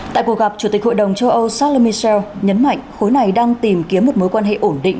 tại cuộc gặp chủ tịch hội đồng châu âu charles michel nhấn mạnh khối này đang tìm kiếm một mối quan hệ ổn định